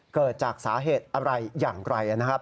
เกิดจากสาเหตุอะไรอย่างไรนะครับ